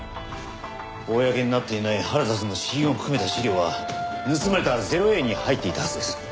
公になっていない原田さんの死因を含めた資料は盗まれた０−Ａに入っていたはずです。